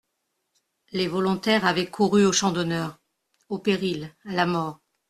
Les volontaires avaient couru au champ d'honneur, au péril, à la mort.